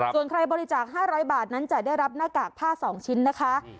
ส่วนใครบริจาค๕๐๐บาทนั้นจะได้รับหน้ากากผ้า๒ชิ้นนะคะ